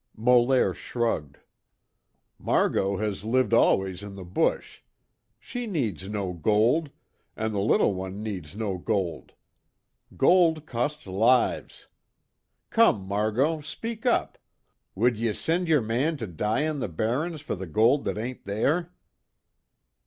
Molaire shrugged: "Margot has lived always in the bush. She needs no gold, an' the little one needs no gold. Gold costs lives. Come, Margot, speak up! Would ye send ye're man to die in the barrens for the gold that ain't there?"